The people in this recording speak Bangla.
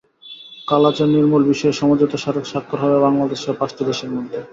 কালাজ্বর নির্মূল বিষয়ে সমঝোতা স্মারক স্বাক্ষর হবে বাংলাদেশসহ পাঁচটি দেশের মধ্যে।